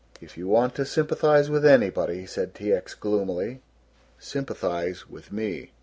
"If you want to sympathize with anybody," said T. X. gloomily, "sympathize with me."